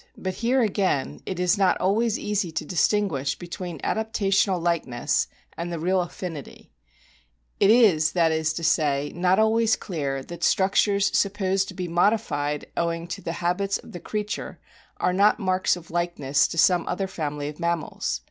But here again it is not always easy to distinguish between adaptational likeness and real affinity ; it is, that is to say, not always clear that structures supposed to be modified owing to the habits of the creature are not marks of likeness to some other family of mammals.